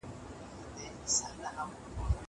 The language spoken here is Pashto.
زه پرون موټر کارولی!